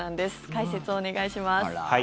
解説をお願いします。